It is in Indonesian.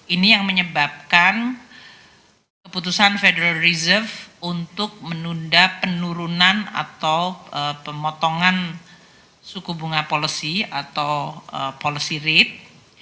ini yang menyebabkan keputusan federal reserve untuk menunda penurunan atau pemotongan suku bunga policy atau policy rate